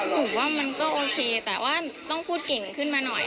ผมว่ามันก็โอเคแต่ว่าต้องพูดเก๋ขึ้นมาหน่อย